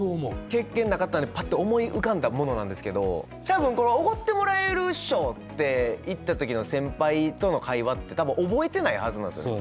経験なかったんでパッと思い浮かんだものなんですけど多分これおごってもらえるっしょって行った時の先輩との会話って多分覚えてないはずなんですよ。